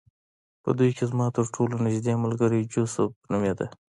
په دوی کې زما ترټولو نږدې ملګری جوزف نومېده